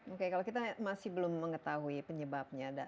oke kalau kita masih belum mengetahui penyebabnya